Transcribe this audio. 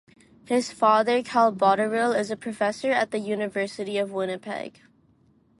His father Cal Botterill is a professor at the University of Winnipeg.